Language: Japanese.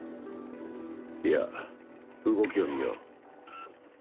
いや動きを見よう。